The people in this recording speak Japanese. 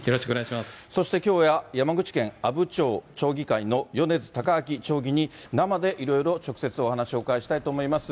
そしてきょう、山口県阿武町町議会の米津高明町議に生でいろいろ直接、お話をお伺いしたいと思います。